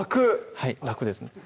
はい楽です